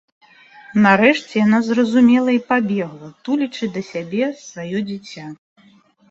Нарэшце яна зразумела і пабегла, тулячы да сябе сваё дзіця.